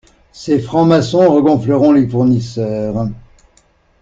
Ces francs-maçons regonfleront les fournisseurs.